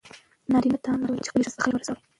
نارینه ته امر شوی چې خپلې ښځې ته خیر ورسوي.